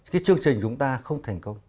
cái chương trình chúng ta không thành công